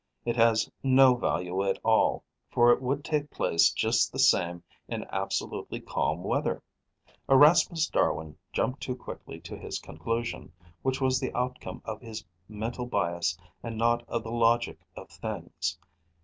It has no value at all, for it would take place just the same in absolutely calm weather. Erasmus Darwin jumped too quickly to his conclusion, which was the outcome of his mental bias and not of the logic of things.